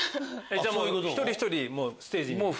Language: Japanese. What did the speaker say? じゃあ一人一人ステージに？